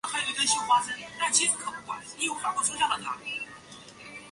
美国海军天文台也在塔斯马尼亚岛用可携式录影设备记录了偏食阶段的图像。